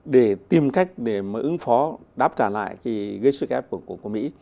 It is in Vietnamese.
để tìm cách để mà ứng phó đáp trả lại gây sức ép của mỹ